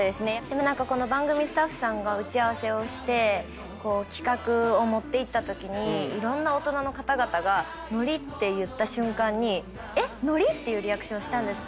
でも番組スタッフさんが打ち合わせをして企画を持っていったときにいろんな大人の方々がのりって言った瞬間に「のり⁉」っていうリアクションしたんですって。